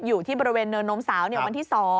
อยู่ที่บริเวณเนินนมสาววันที่๒